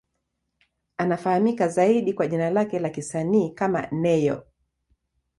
Anafahamika zaidi kwa jina lake la kisanii kama Ne-Yo.